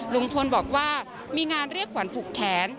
ลุงพลบอกว่ามีงานเรียกขวัญผูกแขน